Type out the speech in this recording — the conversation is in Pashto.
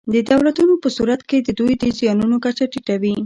د دولتونو په صورت کې د دوی د زیانونو کچه ټیټه وي.